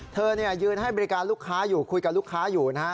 เธอยืนให้บริการลูกค้าอยู่คุยกับลูกค้าอยู่นะฮะ